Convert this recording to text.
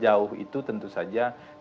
jadi kita lihat itu sebagai keterangan